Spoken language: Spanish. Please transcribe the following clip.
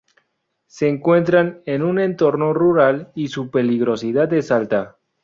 Se encuentran en un entorno rural y su peligrosidad es alta.